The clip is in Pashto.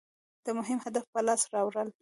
د مهم هدف په لاس راوړل.